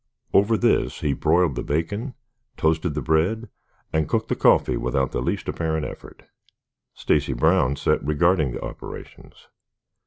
Over this he broiled the bacon, toasted the bread, and cooked the coffee without the least apparent effort. Stacy Brown sat regarding the operations.